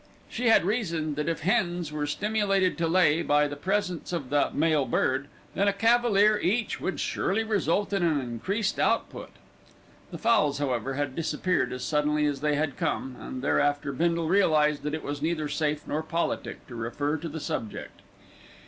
She had reasoned that if hens were stimulated to lay by the presence of the "male bird", then a cavalier each would surely result in an increased output. The fowls, however, had disappeared as suddenly as they had come, and thereafter Bindle realised that it was neither safe nor politic to refer to the subject.